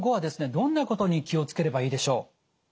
どんなことに気を付ければいいでしょう？